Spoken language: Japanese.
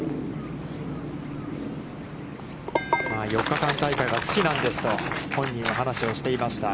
４日間大会が好きなんですと本人は話をしていました。